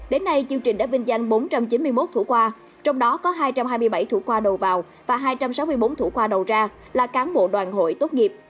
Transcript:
đến nay chương trình đã vinh danh bốn trăm chín mươi một thủ khoa trong đó có hai trăm hai mươi bảy thủ khoa đầu vào và hai trăm sáu mươi bốn thủ khoa đầu ra là cán bộ đoàn hội tốt nghiệp